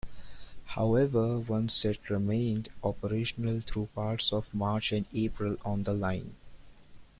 However one set remained operational through parts of March and April on the line.